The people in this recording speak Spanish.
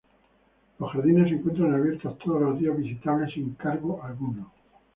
Los jardines se encuentran abiertos todos los días visitables sin cargo alguno.